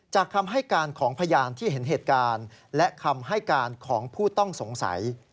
คำให้การของพยานที่เห็นเหตุการณ์และคำให้การของผู้ต้องสงสัย